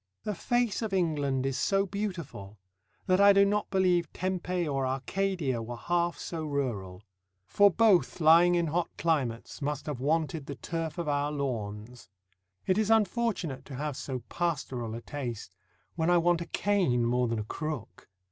The face of England is so beautiful, that I do not believe Tempe or Arcadia were half so rural; for both lying in hot climates, must have wanted the turf of our lawns. It is unfortunate to have so pastoral a taste, when I want a cane more than a crook.